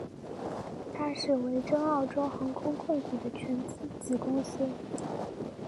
它是维珍澳洲航空控股的全资子公司。